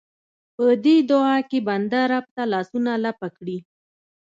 په دې دعا کې بنده رب ته لاسونه لپه کړي.